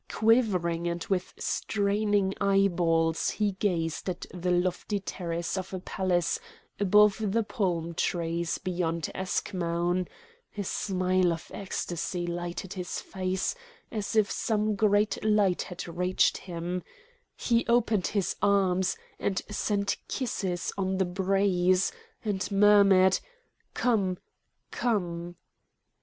Quivering and with straining eyeballs he gazed at the lofty terrace of a palace above the palm trees beyond Eschmoun; a smile of ecstasy lighted his face as if some great light had reached him; he opened his arms, and sent kisses on the breeze, and murmured: "Come! come!"